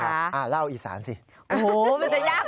เขามีประวัติที่คล้ายกันสำหรับสามท่าน